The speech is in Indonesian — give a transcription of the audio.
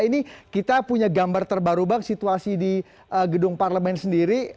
ini kita punya gambar terbaru bang situasi di gedung parlemen sendiri